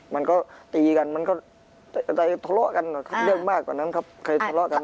มันก็ตีกันมันก็ทะเลาะกันเรื่องมากกว่านั้นครับ